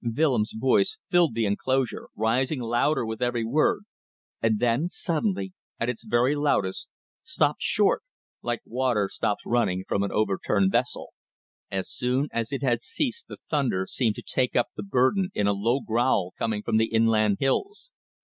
Willems' voice filled the enclosure, rising louder with every word, and then, suddenly, at its very loudest, stopped short like water stops running from an over turned vessel. As soon as it had ceased the thunder seemed to take up the burden in a low growl coming from the inland hills.